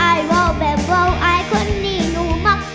ไอว่าแบบว่าไอคนนี่หนูมัก